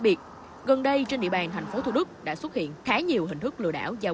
biệt gần đây trên địa bàn thành phố thu đức đã xuất hiện khá nhiều hình thức lừa đảo giao